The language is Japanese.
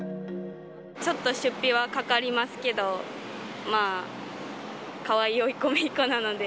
ちょっと出費はかかりますけど、まあ、かわいいおいっ子、めいっ子なので。